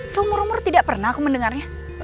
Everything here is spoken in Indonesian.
seumur umur tidak pernah aku mendengarnya